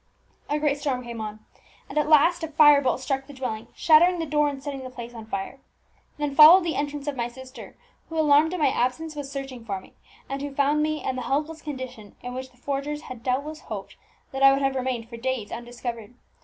A great storm came on, and at last a fire bolt struck the dwelling, shattering the door, and setting the place on fire. Then followed the entrance of my sister, who, alarmed at my absence, was searching for me, and who found me in the helpless condition in which the forgers had doubtless hoped that I would have remained for days undiscovered.